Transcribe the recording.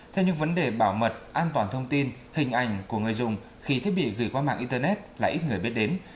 theo những vấn đề bảo mật an toàn thông tin hình ảnh của người dùng khi thiết bị gửi qua mạng internet lại ít người biết đến